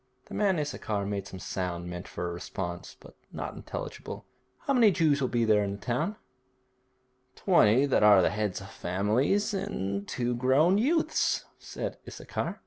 The man Issachar made some sound meant for a response, but not intelligible. 'How many Jews will there be in the town?' 'Twenty that are heads of families, and two grown youths,' said Issachar.